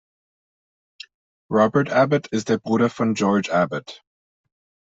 Robert Abbot ist der Bruder von George Abbot.